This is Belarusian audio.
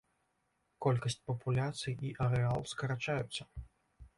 Колькасць папуляцый і арэал скарачаюцца.